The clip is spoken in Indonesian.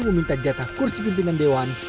meminta jatah kursi pimpinan dewan